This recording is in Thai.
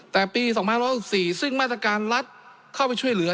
แต่ปี๒๖๔ซึ่งมาตรการรัฐเข้าไปช่วยเหลือ